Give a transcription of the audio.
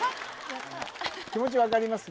やった気持ち分かりますよね